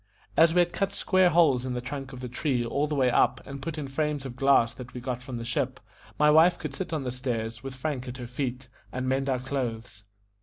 As we had cut square holes in the trunk of the tree all the way up, and put in frames of glass that we got from the ship, my wife could sit on the stairs, with Frank at her feet, and mend our clothes.